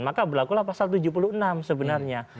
maka berlakulah pasal tujuh puluh enam sebenarnya